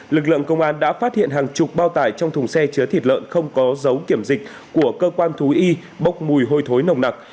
lực lượng công an đã phát hiện hàng chục bao tải trong thùng xe chứa thịt lợn không có dấu kiểm dịch của cơ quan thú y bốc mùi hôi thối nồng nặc